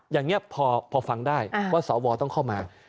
อย่างนี้พอฟังได้ว่าสวต้องเข้ามา